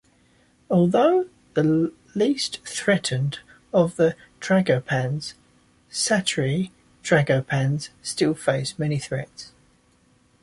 Although the least threatened of the tragopans, satyr tragopans still face many threats.